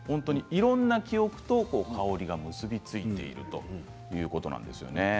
いろんな記憶と香りが結び付いているということなんですね。